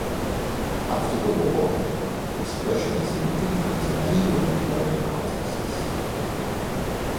After the war, Expressionism influenced many young American artists.